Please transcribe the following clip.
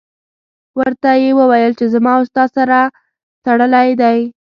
ورته یې وویل چې زما او ستا سر سره تړلی دی.